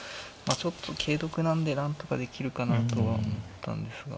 あちょっと桂得なんでなんとかできるかなとは思ったんですが。